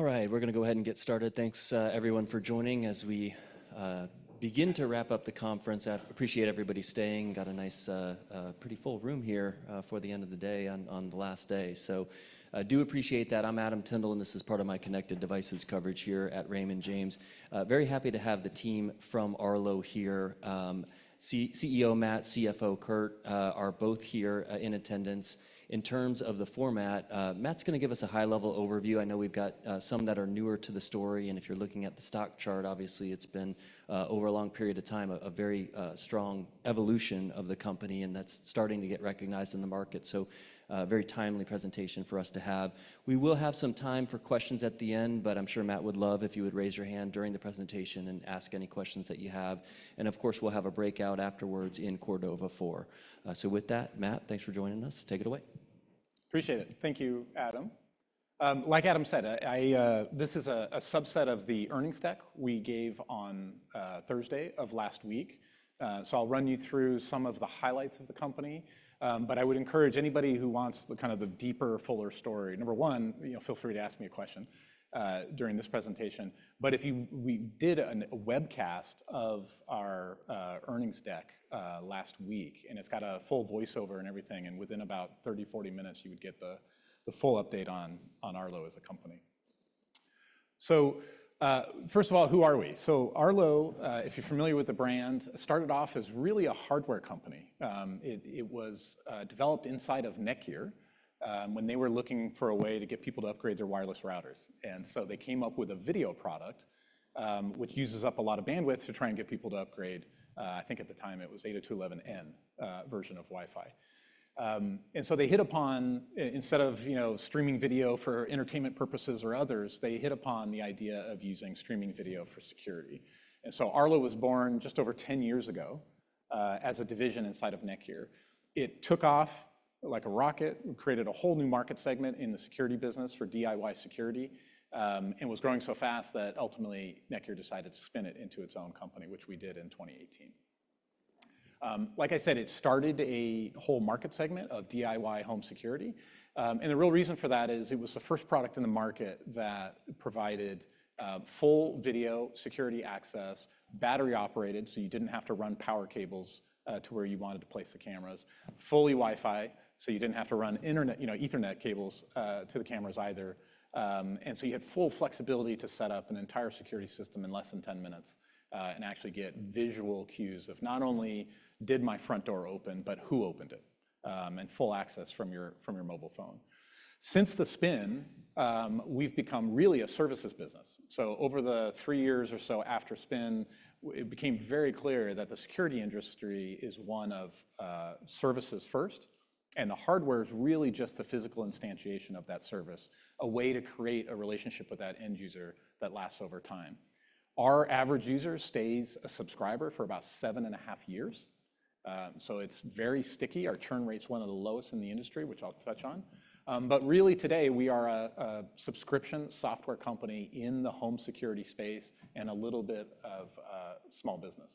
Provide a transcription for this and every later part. All right, we're going to go ahead and get started. Thanks, everyone, for joining as we begin to wrap up the conference. I appreciate everybody staying. Got a nice, pretty full room here for the end of the day on the last day. I do appreciate that. I'm Adam Tindle, and this is part of my connected devices coverage here at Raymond James. Very happy to have the team from Arlo here. CEO Matt, CFO Kurt, are both here in attendance. In terms of the format, Matt's going to give us a high-level overview. I know we've got some that are newer to the story. If you're looking at the stock chart, obviously it's been, over a long period of time, a very strong evolution of the company, and that's starting to get recognized in the market. A very timely presentation for us to have. We will have some time for questions at the end, but I'm sure Matt would love if you would raise your hand during the presentation and ask any questions that you have. Of course, we'll have a breakout afterwards in Cordova. So with that, Matt, thanks for joining us. Take it away. Appreciate it. Thank you, Adam. Like Adam said, this is a subset of the earnings deck we gave on Thursday of last week. I will run you through some of the highlights of the company. I would encourage anybody who wants the kind of the deeper, fuller story, number one, feel free to ask me a question during this presentation. We did a webcast of our earnings deck last week, and it has a full voiceover and everything. Within about 30-40 minutes, you would get the full update on Arlo as a company. First of all, who are we? Arlo, if you are familiar with the brand, started off as really a hardware company. It was developed inside of NETGEAR when they were looking for a way to get people to upgrade their wireless routers. They came up with a video product, which uses up a lot of bandwidth to try and get people to upgrade. I think at the time it was 802.11n version of Wi-Fi. They hit upon, instead of streaming video for entertainment purposes or others, the idea of using streaming video for security. Arlo was born just over 10 years ago as a division inside of NETGEAR. It took off like a rocket, created a whole new market segment in the security business for DIY security, and was growing so fast that ultimately NETGEAR decided to spin it into its own company, which we did in 2018. Like I said, it started a whole market segment of DIY home security. The real reason for that is it was the first product in the market that provided full video security access, battery operated, so you did not have to run power cables to where you wanted to place the cameras, fully Wi-Fi, so you did not have to run Ethernet cables to the cameras either. You had full flexibility to set up an entire security system in less than 10 minutes and actually get visual cues of not only did my front door open, but who opened it, and full access from your mobile phone. Since the spin, we have become really a services business. Over the three years or so after spin, it became very clear that the security industry is one of services first, and the hardware is really just the physical instantiation of that service, a way to create a relationship with that end user that lasts over time. Our average user stays a subscriber for about seven and a half years. It is very sticky. Our churn rate is one of the lowest in the industry, which I'll touch on. Really today, we are a subscription software company in the home security space and a little bit of small business.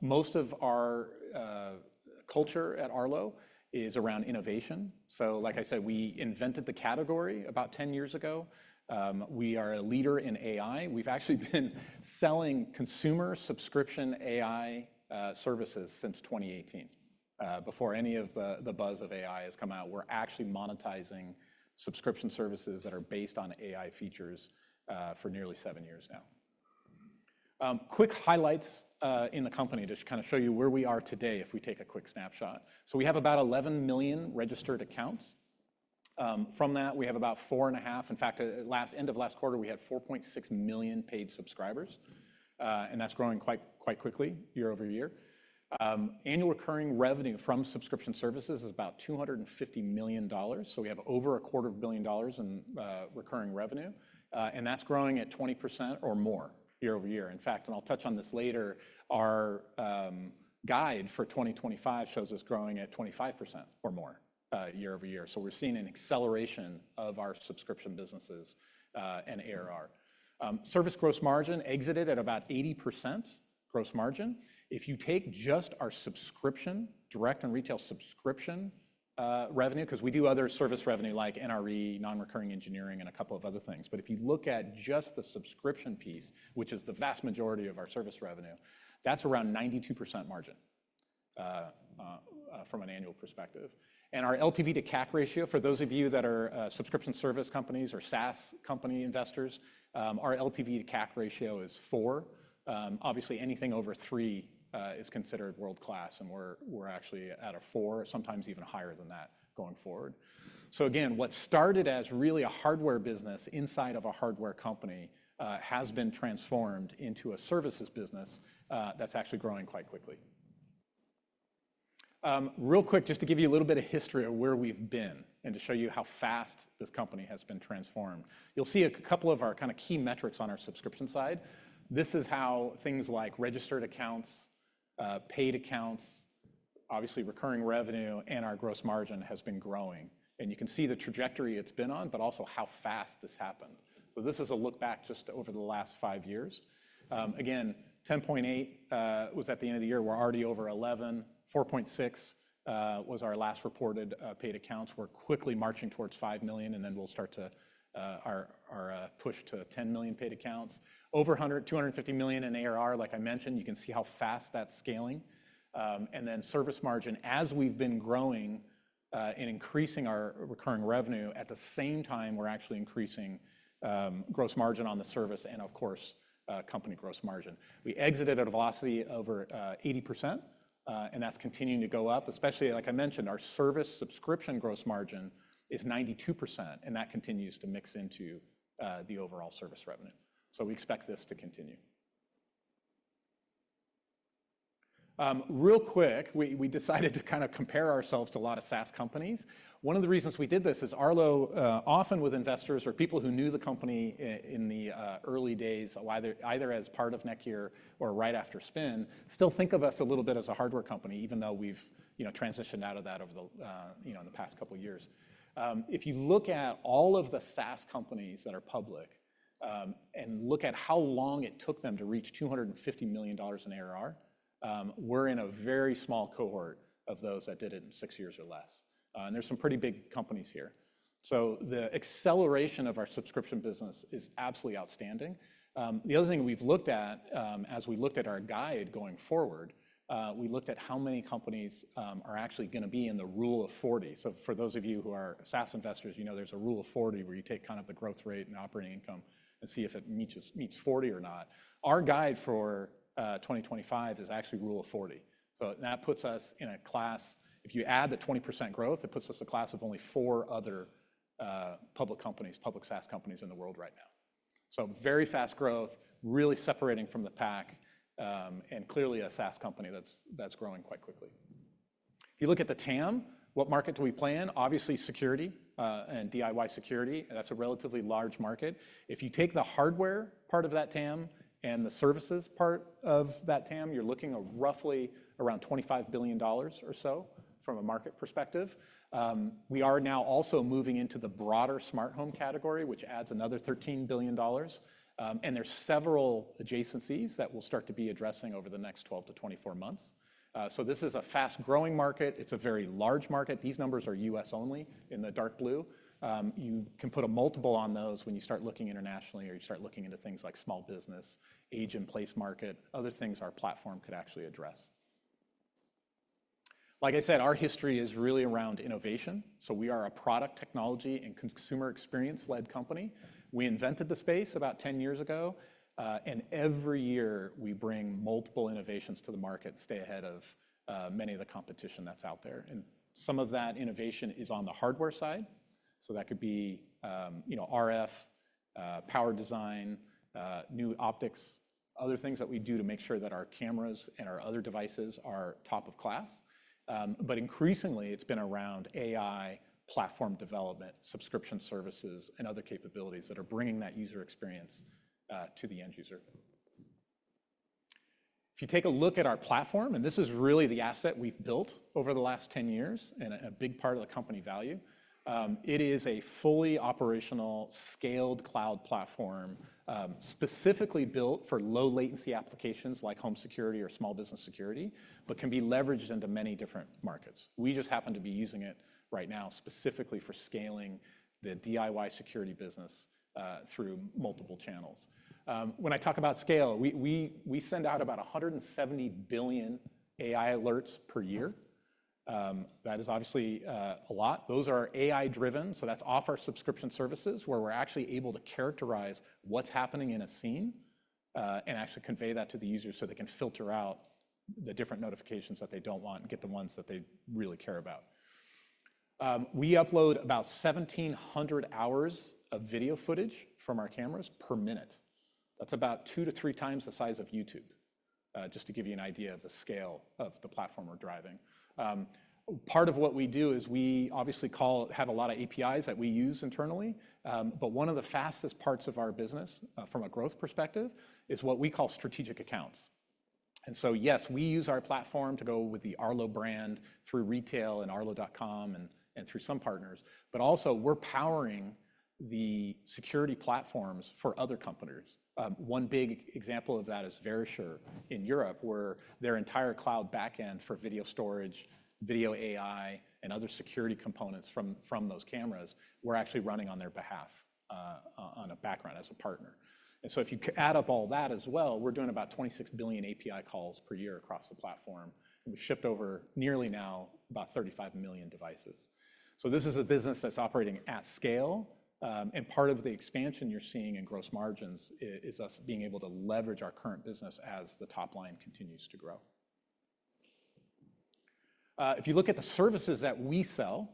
Most of our culture at Arlo is around innovation. Like I said, we invented the category about 10 years ago. We are a leader in AI. We've actually been selling consumer subscription AI services since 2018. Before any of the buzz of AI has come out, we're actually monetizing subscription services that are based on AI features for nearly seven years now. Quick highlights in the company to kind of show you where we are today if we take a quick snapshot. We have about 11 million registered accounts. From that, we have about four and a half. In fact, at the end of last quarter, we had 4.6 million paid subscribers, and that's growing quite quickly year over year. Annual recurring revenue from subscription services is about $250 million. We have over a quarter of a billion dollars in recurring revenue, and that's growing at 20% or more year over year. In fact, and I'll touch on this later, our guide for 2025 shows us growing at 25% or more year over year. We're seeing an acceleration of our subscription businesses and ARR. Service gross margin exited at about 80% gross margin. If you take just our subscription, direct and retail subscription revenue, because we do other service revenue like NRE, non-recurring engineering, and a couple of other things. If you look at just the subscription piece, which is the vast majority of our service revenue, that's around 92% margin from an annual perspective. Our LTV to CAC ratio, for those of you that are subscription service companies or SaaS company investors, our LTV to CAC ratio is four. Obviously, anything over three is considered world class, and we're actually at a four, sometimes even higher than that going forward. What started as really a hardware business inside of a hardware company has been transformed into a services business that's actually growing quite quickly. Real quick, just to give you a little bit of history of where we've been and to show you how fast this company has been transformed. You'll see a couple of our kind of key metrics on our subscription side. This is how things like registered accounts, paid accounts, obviously recurring revenue, and our gross margin has been growing. You can see the trajectory it's been on, but also how fast this happened. This is a look back just over the last five years. Again, 10.8 was at the end of the year. We're already over 11. 4.6 was our last reported paid accounts. We're quickly marching towards 5 million, and then we'll start to our push to 10 million paid accounts. Over $250 million in ARR, like I mentioned, you can see how fast that's scaling. Service margin, as we've been growing and increasing our recurring revenue, at the same time, we're actually increasing gross margin on the service and, of course, company gross margin. We exited at a velocity over 80%, and that's continuing to go up. Especially, like I mentioned, our service subscription gross margin is 92%, and that continues to mix into the overall service revenue we expect this to continue. Real quick, we decided to kind of compare ourselves to a lot of SaaS companies. One of the reasons we did this is Arlo, often with investors or people who knew the company in the early days, either as part of NETGEAR or right after spin, still think of us a little bit as a hardware company, even though we've transitioned out of that over the past couple of years. If you look at all of the SaaS companies that are public and look at how long it took them to reach $250 million in ARR, we're in a very small cohort of those that did it in six years or less. There are some pretty big companies here. The acceleration of our subscription business is absolutely outstanding. The other thing we've looked at, as we looked at our guide going forward, we looked at how many companies are actually going to be in the Rule of 40. For those of you who are SaaS investors, you know there's a Rule of 40 where you take kind of the growth rate and operating income and see if it meets 40 or not. Our guide for 2025 is actually Rule of 40. That puts us in a class, if you add the 20% growth, it puts us in a class of only four other public companies, public SaaS companies in the world right now. Very fast growth, really separating from the pack, and clearly a SaaS company that's growing quite quickly. If you look at the TAM, what market do we play in? Obviously, security and DIY security. That's a relatively large market. If you take the hardware part of that TAM and the services part of that TAM, you're looking at roughly around $25 billion or so from a market perspective. We are now also moving into the broader smart home category, which adds another $13 billion. There are several adjacencies that we'll start to be addressing over the next 12 to 24 months. This is a fast-growing market. It's a very large market. These numbers are US only in the dark blue. You can put a multiple on those when you start looking internationally or you start looking into things like small business, age-in-place market. Other things our platform could actually address. Like I said, our history is really around innovation. We are a product technology and consumer experience-led company. We invented the space about 10 years ago, and every year we bring multiple innovations to the market and stay ahead of many of the competition that's out there. Some of that innovation is on the hardware side. That could be RF, power design, new optics, other things that we do to make sure that our cameras and our other devices are top of class. Increasingly, it's been around AI, platform development, subscription services, and other capabilities that are bringing that user experience to the end user. If you take a look at our platform, and this is really the asset we've built over the last 10 years and a big part of the company value, it is a fully operational scaled cloud platform specifically built for low-latency applications like home security or small business security, but can be leveraged into many different markets. We just happen to be using it right now specifically for scaling the DIY security business through multiple channels. When I talk about scale, we send out about 170 billion AI alerts per year. That is obviously a lot. Those are AI-driven. So that's off our subscription services where we're actually able to characterize what's happening in a scene and actually convey that to the user so they can filter out the different notifications that they don't want and get the ones that they really care about. We upload about 1,700 hours of video footage from our cameras per minute. That is about two to three times the size of YouTube, just to give you an idea of the scale of the platform we are driving. Part of what we do is we obviously have a lot of APIs that we use internally, but one of the fastest parts of our business from a growth perspective is what we call strategic accounts. Yes, we use our platform to go with the Arlo brand through retail and Arlo.com and through some partners, but also we are powering the security platforms for other companies. One big example of that is Verisure in Europe, where their entire cloud backend for video storage, video AI, and other security components from those cameras we are actually running on their behalf on a background as a partner. If you add up all that as well, we're doing about 26 billion API calls per year across the platform. We've shipped over nearly now about 35 million devices. This is a business that's operating at scale. Part of the expansion you're seeing in gross margins is us being able to leverage our current business as the top line continues to grow. If you look at the services that we sell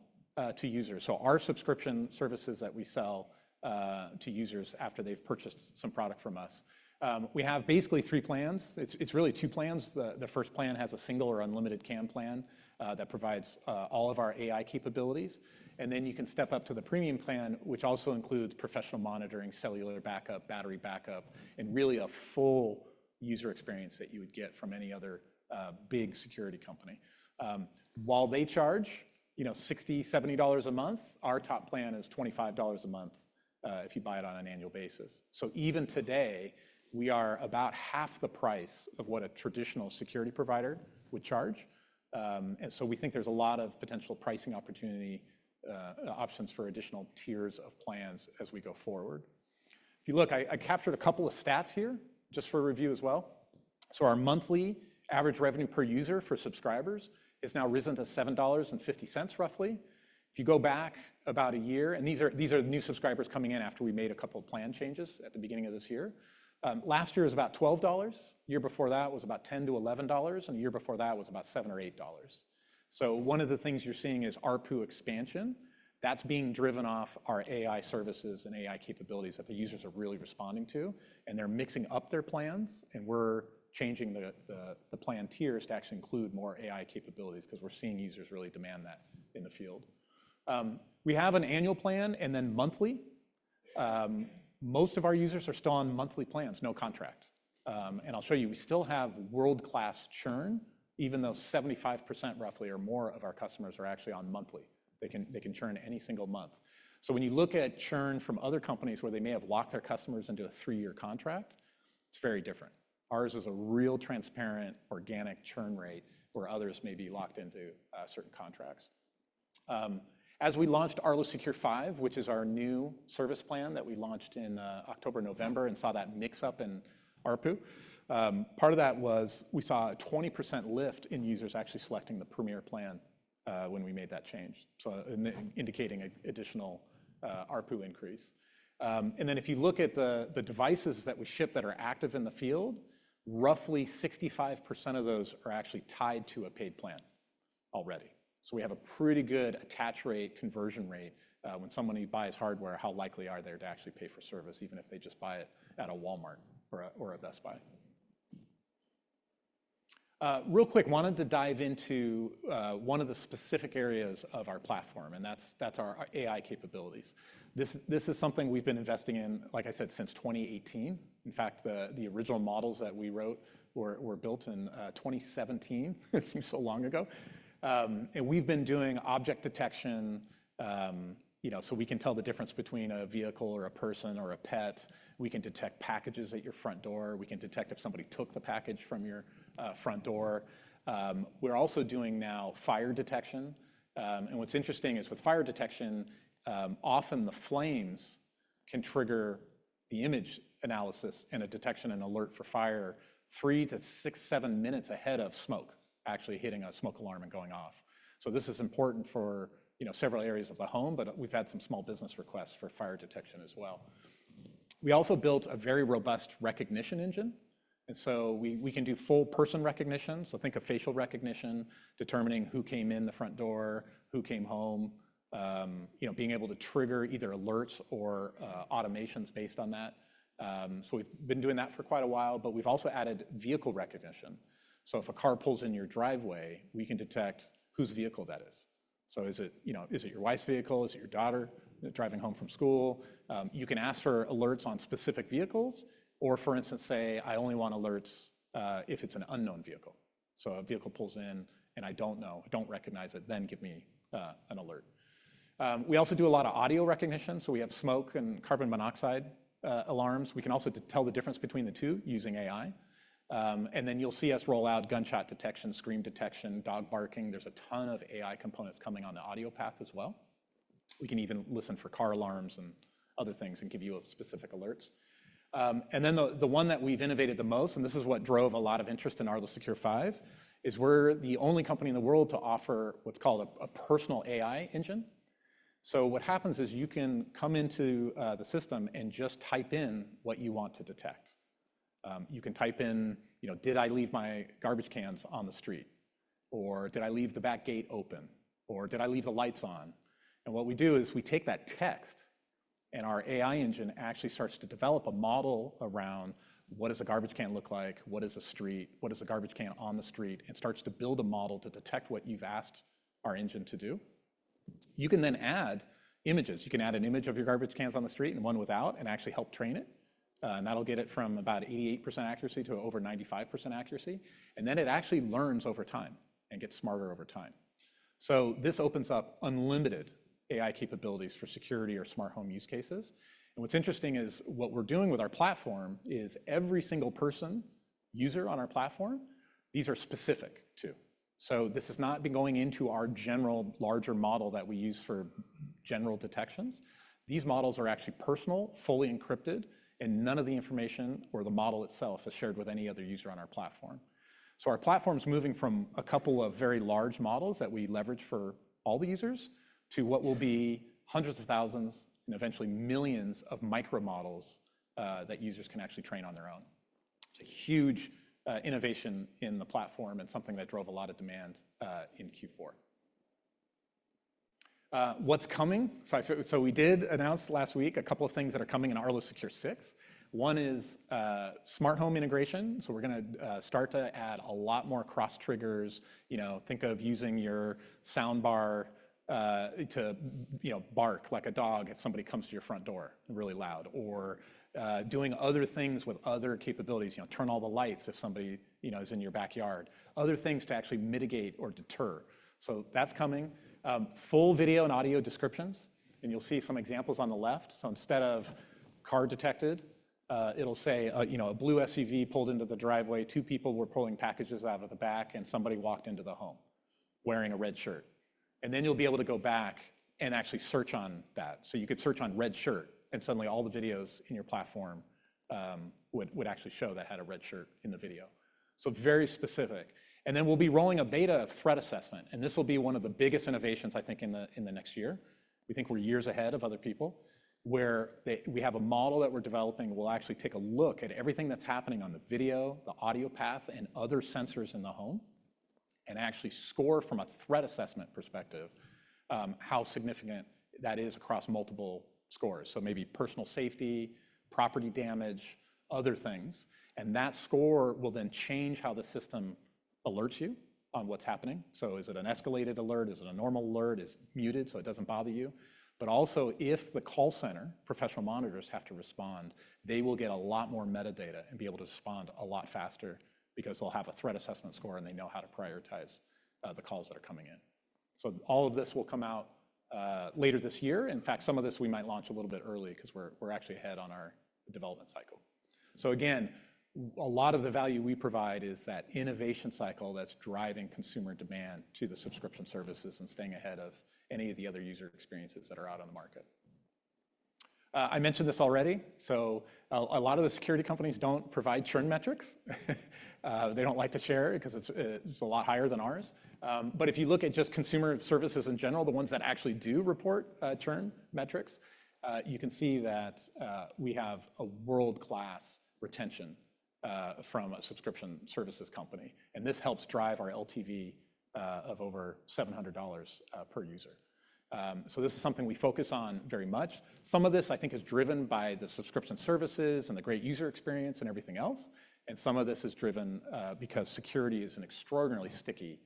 to users, so our subscription services that we sell to users after they've purchased some product from us, we have basically three plans. It's really two plans. The first plan has a single or unlimited cam plan that provides all of our AI capabilities. You can step up to the premium plan, which also includes professional monitoring, cellular backup, battery backup, and really a full user experience that you would get from any other big security company. While they charge $60 to $70 a month, our top plan is $25 a month if you buy it on an annual basis. Even today, we are about half the price of what a traditional security provider would charge. We think there is a lot of potential pricing opportunity options for additional tiers of plans as we go forward. If you look, I captured a couple of stats here just for review as well. Our monthly average revenue per user for subscribers has now risen to $7.50 roughly. If you go back about a year, and these are new subscribers coming in after we made a couple of plan changes at the beginning of this year. Last year was about $12. The year before that was about $10 to $11, and the year before that was about $7 to $8. One of the things you're seeing is ARPU expansion. That's being driven off our AI services and AI capabilities that the users are really responding to, and they're mixing up their plans, and we're changing the plan tiers to actually include more AI capabilities because we're seeing users really demand that in the field. We have an annual plan and then monthly. Most of our users are still on monthly plans, no contract. I'll show you, we still have world-class churn, even though 75% roughly or more of our customers are actually on monthly they can churn any single month. When you look at churn from other companies where they may have locked their customers into a three-year contract, it is very different. Ours is a real transparent organic churn rate where others may be locked into certain contracts. As we launched Arlo Secure 5, which is our new service plan that we launched in October, November, and saw that mix up in ARPU, part of that was we saw a 20% lift in users actually selecting the premier plan when we made that change, indicating an additional ARPU increase. If you look at the devices that we ship that are active in the field, roughly 65% of those are actually tied to a paid plan already. We have a pretty good attach rate, conversion rate. When somebody buys hardware, how likely are they to actually pay for service, even if they just buy it at a Walmart or a Best Buy. Real quick, I wanted to dive into one of the specific areas of our platform, and that's our AI capabilities. This is something we've been investing in, like I said, since 2018. In fact, the original models that we wrote were built in 2017. It seems so long ago. We've been doing object detection so we can tell the difference between a vehicle or a person or a pet. We can detect packages at your front door. We can detect if somebody took the package from your front door. We're also doing now fire detection. What's interesting is with fire detection, often the flames can trigger the image analysis and a detection and alert for fire three to six, seven minutes ahead of smoke actually hitting a smoke alarm and going off. This is important for several areas of the home, but we've had some small business requests for fire detection as well. We also built a very robust recognition engine. We can do full person recognition. Think of facial recognition, determining who came in the front door, who came home, being able to trigger either alerts or automations based on that. We've been doing that for quite a while, but we've also added vehicle recognition. If a car pulls in your driveway, we can detect whose vehicle that is. Is it your wife's vehicle? Is it your daughter driving home from school? You can ask for alerts on specific vehicles or, for instance, say, I only want alerts if it's an unknown vehicle. A vehicle pulls in and I don't know, I don't recognize it, then give me an alert. We also do a lot of audio recognition, we have smoke and carbon monoxide alarms, we can also tell the difference between the two using AI. You will see us roll out gunshot detection, scream detection, dog barking. There is a ton of AI components coming on the audio path as well. We can even listen for car alarms and other things and give you specific alerts. The one that we've innovated the most, and this is what drove a lot of interest in Arlo Secure 5, is we're the only company in the world to offer what's called a personal AI engine. What happens is you can come into the system and just type in what you want to detect. You can type in, "Did I leave my garbage cans on the street?" or "Did I leave the back gate open?" or "Did I leave the lights on?" What we do is we take that text and our AI engine actually starts to develop a model around what does a garbage can look like, what is a street, what is a garbage can on the street, and starts to build a model to detect what you've asked our engine to do. You can then add images, you can add an image of your garbage cans on the street and one without and actually help train it. That'll get it from about 88% accuracy to over 95% accuracy. It actually learns over time and gets smarter over time. This opens up unlimited AI capabilities for security or smart home use cases. What's interesting is what we're doing with our platform is every single person user on our platform, these are specific to. This is not going into our general larger model that we use for general detections. These models are actually personal, fully encrypted, and none of the information or the model itself is shared with any other user on our platform. Our platform's moving from a couple of very large models that we leverage for all the users to what will be hundreds of thousands and eventually millions of micro models that users can actually train on their own. It's a huge innovation in the platform and something that drove a lot of demand in Q4. What's coming? We did announce last week a couple of things that are coming in Arlo Secure 6. One is smart home integration. We're going to start to add a lot more cross triggers. Think of using your sound bar to bark like a dog if somebody comes to your front door really loud or doing other things with other capabilities. Turn all the lights if somebody is in your backyard. Other things to actually mitigate or deter that's coming. Full video and audio descriptions. You'll see some examples on the left. Instead of car detected, it'll say a blue SUV pulled into the driveway. Two people were pulling packages out of the back and somebody walked into the home wearing a red shirt. You'll be able to go back and actually search on that. You could search on red shirt and suddenly all the videos in your platform would actually show that had a red shirt in the video. Very specific. We will be rolling a beta threat assessment. This will be one of the biggest innovations, I think, in the next year. We think we're years ahead of other people where we have a model that we're developing will actually take a look at everything that's happening on the video, the audio path, and other sensors in the home and actually score from a threat assessment perspective how significant that is across multiple scores. Maybe personal safety, property damage, other things. That score will then change how the system alerts you on what's happening. Is it an escalated alert? Is it a normal alert? Is it muted so it doesn't bother you? If the call center, professional monitors have to respond, they will get a lot more metadata and be able to respond a lot faster because they'll have a threat assessment score and they know how to prioritize the calls that are coming in. All of this will come out later this year. In fact, some of this we might launch a little bit early because we're actually ahead on our development cycle. Again, a lot of the value we provide is that innovation cycle that's driving consumer demand to the subscription services and staying ahead of any of the other user experiences that are out on the market. I mentioned this already. A lot of the security companies don't provide churn metrics. They don't like to share it because it's a lot higher than ours. If you look at just consumer services in general, the ones that actually do report churn metrics, you can see that we have a world-class retention from a subscription services company. This helps drive our LTV of over $700 per user. This is something we focus on very much. Some of this, I think, is driven by the subscription services and the great user experience and everything else. Some of this is driven because security is an extraordinarily sticky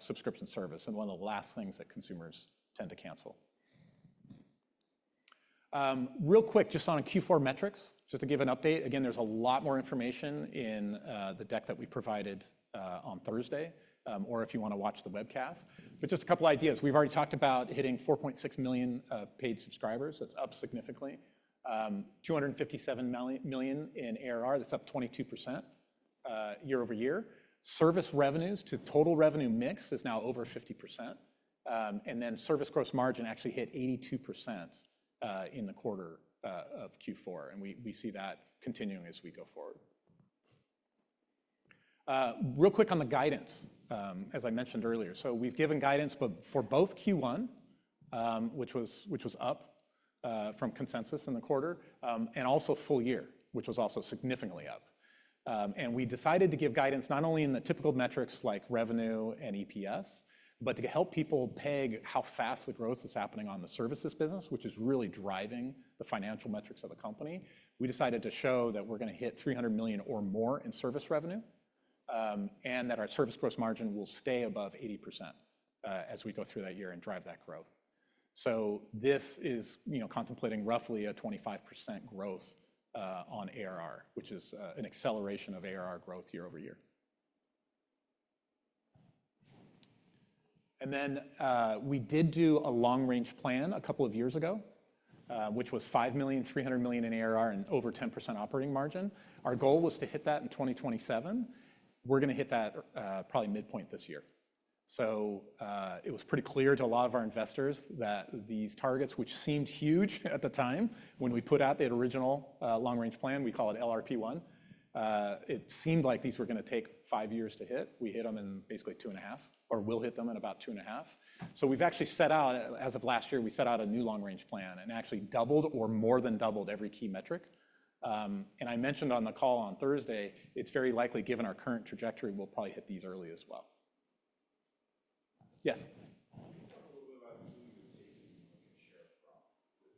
subscription service and one of the last things that consumers tend to cancel. Real quick, just on Q4 metrics, just to give an update. Again, there is a lot more information in the deck that we provided on Thursday or if you want to watch the webcast. Just a couple of ideas. We have already talked about hitting 4.6 million paid subscribers. That is up significantly. $257 million in ARR. That's up 22% year over year. Service revenues to total revenue mix is now over 50%. Service gross margin actually hit 82% in the quarter of Q4. We see that continuing as we go forward. Real quick on the guidance, as I mentioned earlier. We've given guidance for both Q1, which was up from consensus in the quarter, and also full year, which was also significantly up. We decided to give guidance not only in the typical metrics like revenue and EPS, but to help people peg how fast the growth is happening on the services business, which is really driving the financial metrics of the company. We decided to show that we're going to hit $300 million or more in service revenue and that our service gross margin will stay above 80% as we go through that year and drive that growth. This is contemplating roughly a 25% growth on ARR, which is an acceleration of ARR growth year over year. We did do a long-range plan a couple of years ago, which was 5 million, $300 million in ARR and over 10% operating margin. Our goal was to hit that in 2027. We're going to hit that probably midpoint this year. It was pretty clear to a lot of our investors that these targets, which seemed huge at the time when we put out the original long-range plan, we call it LRP1, it seemed like these were going to take five years to hit. We hit them in basically two and a half or will hit them in about two and a half. We actually set out, as of last year, we set out a new long-range plan and actually doubled or more than doubled every key metric. I mentioned on the call on Thursday, it's very likely given our current trajectory, we'll probably hit these early as well. Yes? Can you talk a little bit about who you're taking market share from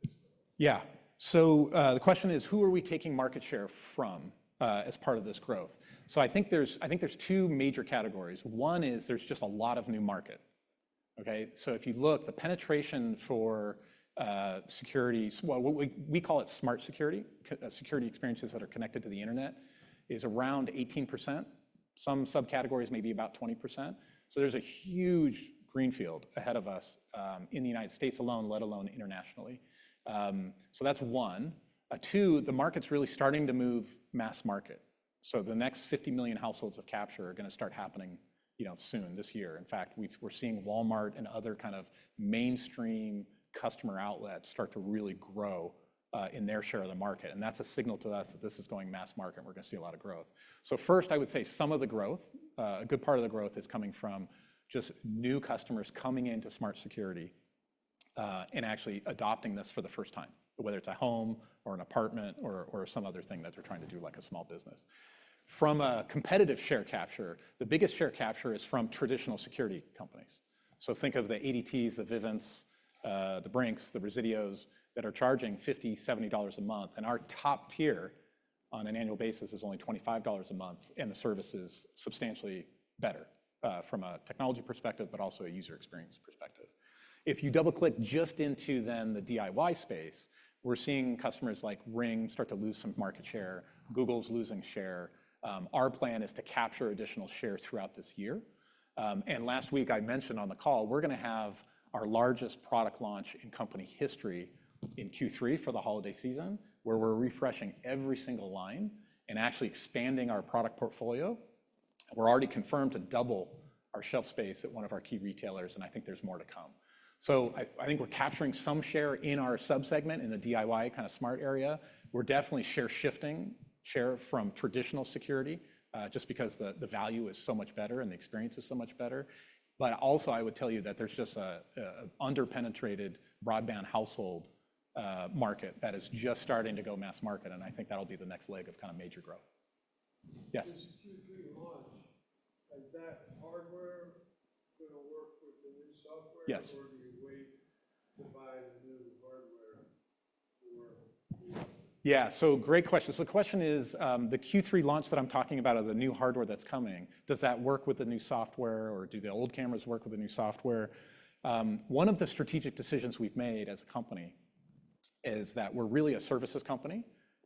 with this growth? Yeah. The question is, who are we taking market share from as part of this growth? I think there's two major categories. One is there's just a lot of new market. If you look, the penetration for security, we call it smart security, security experiences that are connected to the internet, is around 18%. Some subcategories may be about 20%. There is a huge greenfield ahead of us in the United States alone, let alone internationally. That is one. Two, the market is really starting to move mass market. The next 50 million households of capture are going to start happening soon this year. In fact, we are seeing Walmart and other kind of mainstream customer outlets start to really grow in their share of the market. That is a signal to us that this is going mass market and we are going to see a lot of growth. First, I would say some of the growth, a good part of the growth, is coming from just new customers coming into smart security and actually adopting this for the first time, whether it is a home or an apartment or some other thing that they are trying to do like a small business. From a competitive share capture, the biggest share capture is from traditional security companies. So think of the ADTs, the Vivints, the Brink's, the Resideo that are charging $50, $70 a month. And our top tier on an annual basis is only $25 a month. And the service is substantially better from a technology perspective, but also a user experience perspective. If you double-click just into then the DIY space, we're seeing customers like Ring start to lose some market share. Google's losing share. Our plan is to capture additional share throughout this year. Last week, I mentioned on the call, we're going to have our largest product launch in company history in Q3 for the holiday season where we're refreshing every single line and actually expanding our product portfolio. We're already confirmed to double our shelf space at one of our key retailers. I think there's more to come. I think we're capturing some share in our subsegment in the DIY kind of smart area. We're definitely share shifting share from traditional security just because the value is so much better and the experience is so much better. I would tell you that there's just an under-penetrated broadband household market that is just starting to go mass market. I think that'll be the next leg of kind of major growth. Yes? This Q3 launch, is that hardware going to work with the new software? Yes. Or do you wait to buy the new hardware? Yeah. Great question. The question is, the Q3 launch that I'm talking about of the new hardware that's coming, does that work with the new software or do the old cameras work with the new software? One of the strategic decisions we've made as a company is that we're really a services company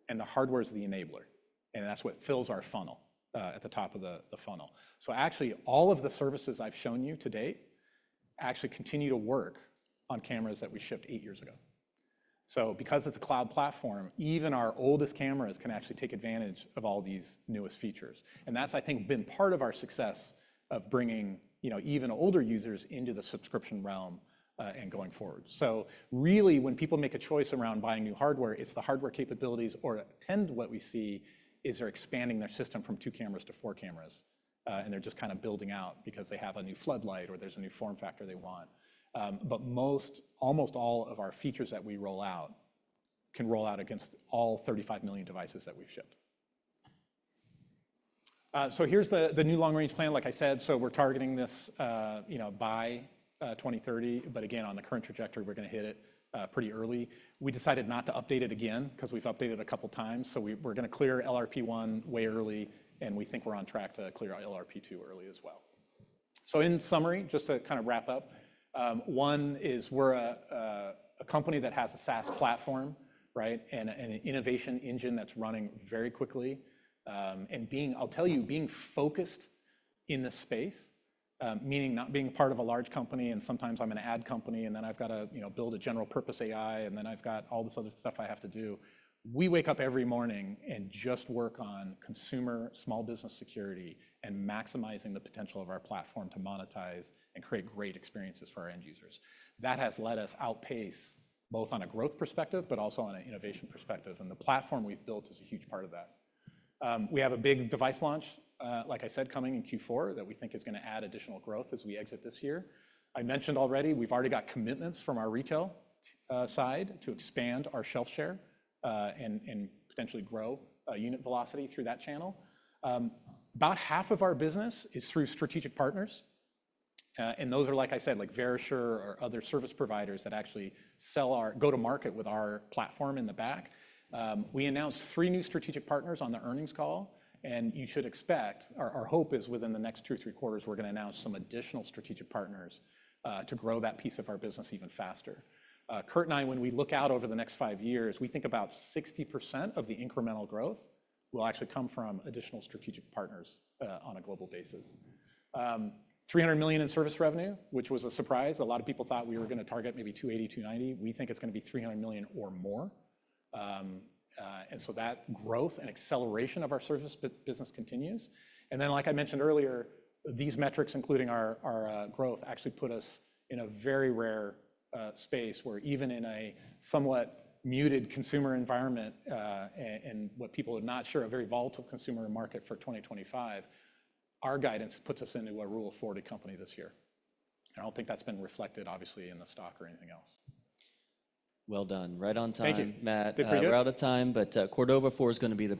and the hardware is the enabler. That's what fills our funnel at the top of the funnel. Actually, all of the services I've shown you to date actually continue to work on cameras that we shipped eight years ago. Because it's a cloud platform, even our oldest cameras can actually take advantage of all these newest features. That's, I think, been part of our success of bringing even older users into the subscription realm and going forward. Really, when people make a choice around buying new hardware, it's the hardware capabilities or tend what we see is they're expanding their system from two cameras to four cameras. They're just kind of building out because they have a new floodlight or there's a new form factor they want. Almost all of our features that we roll out can roll out against all 35 million devices that we've shipped. Here is the new long-range plan, like I said. We are targeting this by 2030. Again, on the current trajectory, we are going to hit it pretty early. We decided not to update it again because we've updated a couple of times. We are going to clear LRP1 way early. We think we are on track to clear LRP2 early as well. In summary, just to kind of wrap up, one is we are a company that has a SaaS platform, right, and an innovation engine that's running very quickly. I'll tell you, being focused in the space, meaning not being part of a large company and sometimes I'm an ad company and then I've got to build a general purpose AI and then I've got all this other stuff I have to do, we wake up every morning and just work on consumer small business security and maximizing the potential of our platform to monetize and create great experiences for our end users. That has led us outpace both on a growth perspective, but also on an innovation perspective. The platform we've built is a huge part of that. We have a big device launch, like I said, coming in Q4 that we think is going to add additional growth as we exit this year. I mentioned already, we've already got commitments from our retail side to expand our shelf share and potentially grow unit velocity through that channel. About half of our business is through strategic partners. And those are, like I said, like Verisure or other service providers that actually sell or go-to-market with our platform in the back. We announced three new strategic partners on the earnings call. You should expect, our hope is within the next two, three quarters, we're going to announce some additional strategic partners to grow that piece of our business even faster. Kurt and I, when we look out over the next five years, we think about 60% of the incremental growth will actually come from additional strategic partners on a global basis. $300 million in service revenue, which was a surprise. A lot of people thought we were going to target maybe $280 million, $290 million. We think it's going to be 300 million or more. That growth and acceleration of our service business continues. Like I mentioned earlier, these metrics, including our growth, actually put us in a very rare space where even in a somewhat muted consumer environment and what people are not sure a very volatile consumer market for 2025, our guidance puts us into a Rule of 40 company this year. I don't think that's been reflected, obviously, in the stock or anything else. Right on time, Matt. Good for you. We're out of time, but Cordova 4 is going to be.